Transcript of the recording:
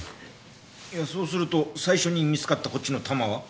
いやそうすると最初に見つかったこっちの弾は？